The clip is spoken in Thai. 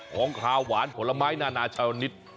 ของขาวหวานผลไม้นานาชาวนิด